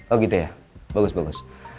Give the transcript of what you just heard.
oh gitu ya bagus bagus